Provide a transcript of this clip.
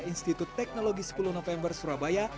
institut teknologi sepuluh november surabaya